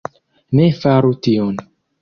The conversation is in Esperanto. Ne faru tion!